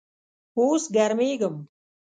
اوس ګرمیږم